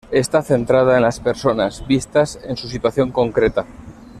Está centrada en las personas, vistas en su situación concreta.